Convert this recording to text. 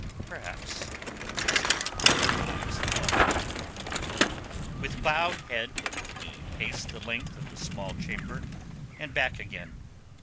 "Perhaps," she said, and her eyes fell. With bowed head he paced the length of the small chamber, and back again.